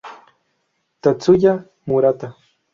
Tatsuya Murata